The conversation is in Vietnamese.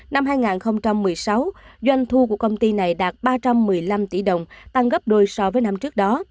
năm hai nghìn một mươi sáu doanh thu của công ty này đạt ba trăm một mươi năm tỷ đồng tăng gấp đôi so với năm trước đó